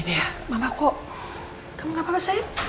ada apa ya din mama kok ada apa ya din mama kok